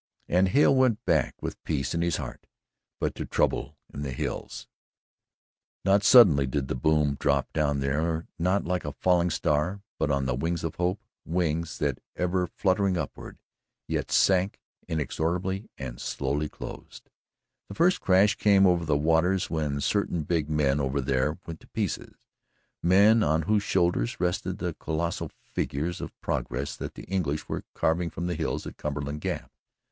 And Hale went back with peace in his heart, but to trouble in the hills. Not suddenly did the boom drop down there, not like a falling star, but on the wings of hope wings that ever fluttering upward, yet sank inexorably and slowly closed. The first crash came over the waters when certain big men over there went to pieces men on whose shoulders rested the colossal figure of progress that the English were carving from the hills at Cumberland Gap.